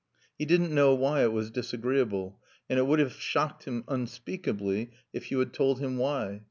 He didn't know why it was disagreeable, and it would have shocked him unspeakably if you had told him why.